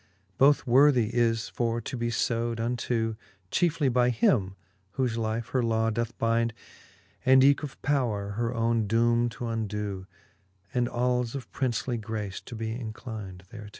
Both worthie is for to be lewd unto, Chiefely by him, whole life her law doth bynd. And eke of powre her owne doome to undo, And als of princely grace to be inclyn'd thereto.